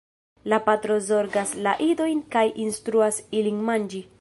La patro zorgas la idojn kaj instruas ilin manĝi.